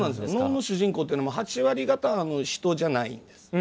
能の主人公というのは８割方、人じゃないんです。